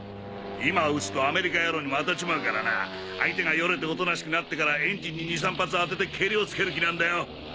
今撃つとアメリカ野郎にも当たっちまうからな相手がよれておとなしくなってからエンジンに２３発当ててケリをつける気なんだよ。